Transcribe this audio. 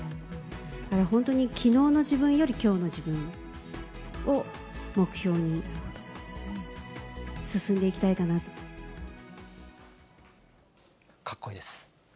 だから本当にきのうの自分よりきょうの自分を目標に進んでいきたかっこいいです。